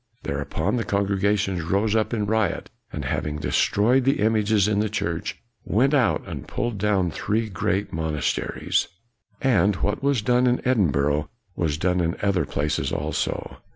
Thereupon the congregation rose up in riot, and having destroyed the images in the church, went out and pulled down three great mon asteries. And what was done in Edin burgh was done in other places also.